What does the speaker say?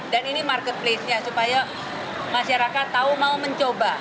dan ini market place nya supaya masyarakat tahu mau mencoba